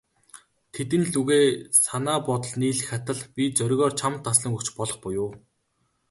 Тэдэн лүгээ санаа бодол нийлэх атал, би зоригоор чамд таслан өгч болох буюу.